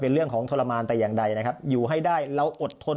เป็นเรื่องของทรมานแต่อย่างใดนะครับอยู่ให้ได้เราอดทน